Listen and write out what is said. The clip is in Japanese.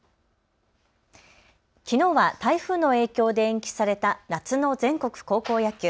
きのうは台風の影響で延期された夏の全国高校野球。